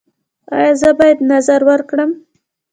ایا زه باید نذر ورکړم؟